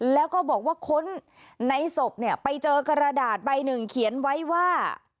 แล้วก็บอกว่าค้นในศพเนี่ยไปเจอกระดาษใบหนึ่งเขียนไว้ว่า